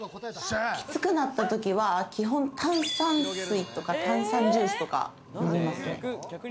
きつくなったときは基本、炭酸水とか炭酸ジュースとか飲みますね。